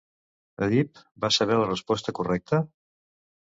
Èdip va saber la resposta correcta?